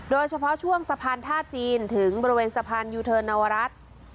โดยเฉพาะช่วงสะพานท่าจีนถึงบริเวณสะพานยูเทิร์นนวรัฐ